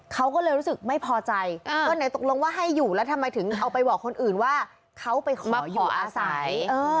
เขาก็เลยรู้สึกไม่พอใจก็ไหนตกลงว่าให้อยู่แล้วทำไมถึงเอาไปบอกคนอื่นว่าเขาไปขออาศัย